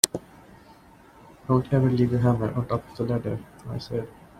Don’t ever leave your hammer on the top of the ladder, I said.